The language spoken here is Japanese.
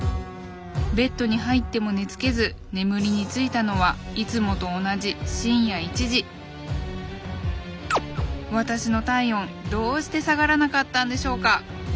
ベッドに入っても寝つけず眠りについたのはいつもと同じ深夜１時私の体温どうして下がらなかったんでしょうか？